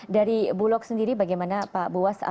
dari bulog sendiri bagaimana pak buas